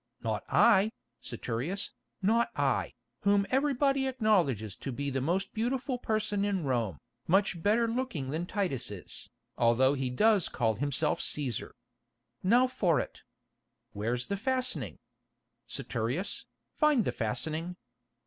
Not I, Saturius, not I, whom everybody acknowledges to be the most beautiful person in Rome, much better looking than Titus is, although he does call himself Cæsar. Now for it. Where's the fastening? Saturius, find the fastening.